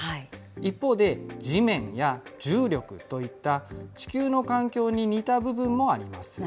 一方で、地面や重力といった、地球の環境に似た部分もあります。